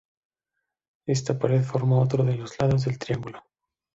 Esta pared forma otro de los lados del triángulo.